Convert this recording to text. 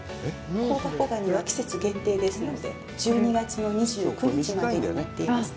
香箱ガニは季節限定ですので１２月の２９日までになっています。